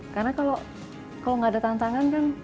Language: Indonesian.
karena kalau kalau nggak ada tantangan kan